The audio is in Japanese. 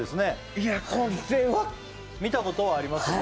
いやこれは見たことはありますよね？